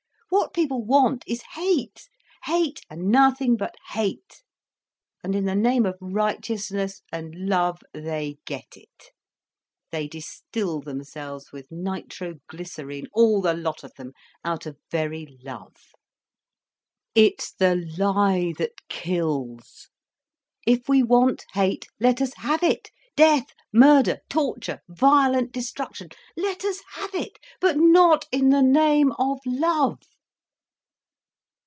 What people want is hate—hate and nothing but hate. And in the name of righteousness and love, they get it. They distil themselves with nitroglycerine, all the lot of them, out of very love. It's the lie that kills. If we want hate, let us have it—death, murder, torture, violent destruction—let us have it: but not in the name of love.